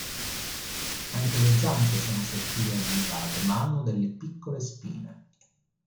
Anche le zampe sono sottili e allungate, ma hanno delle piccole spine.